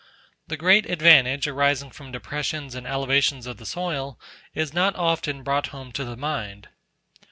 The great advantage arising from depressions and elevations of the soil, is not often brought home to the mind.